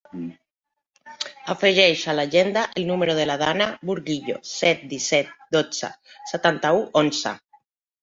Afegeix a l'agenda el número de la Dana Burguillo: set, disset, dotze, setanta-u, onze.